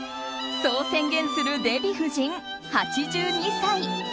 そう宣言するデヴィ夫人、８２歳。